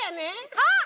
あっ！